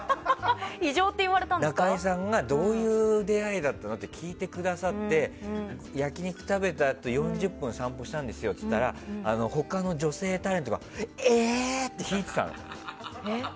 中居さんがどういう出会いだったの？って聞いてくださって焼き肉食べたあと４０分散歩したんですよって言ったら他の女性タレントがえーっ！って引いてたのよ。